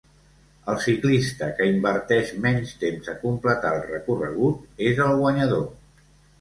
El ciclista que inverteix menys temps a completar el recorregut és el guanyador.